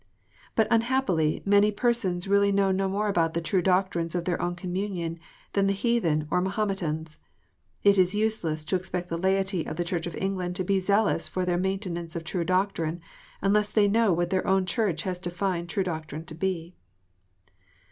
* But unhappily many persons really know no more about the true doctrines of their own communion, than the heathen or Mahometans. It is useless to expect the laity of the Church of England to be zealous for the maintenance of true doctrine, unless they know what their own Church has denned true doctrine to be.